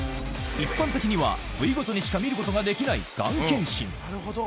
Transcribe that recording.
一般的には、部位ごとにしか見ることができないがん検診。